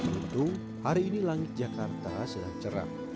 untung hari ini langit jakarta sedang cerak